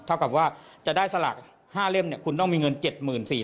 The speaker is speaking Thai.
กับว่าจะได้สลาก๕เล่มคุณต้องมีเงิน๗๔๐๐